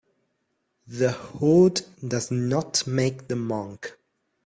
The hood does not make the monk.